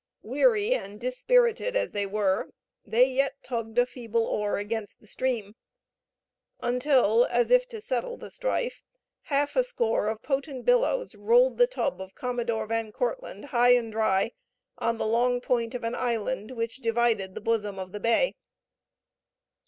Weary and dispirited as they were, they yet tugged a feeble oar against the stream; until, as if to settle the strife, half a score of potent billows rolled the tub of Commodore Van Kortlandt high and dry on the long point of an island which divided the bosom of the bay.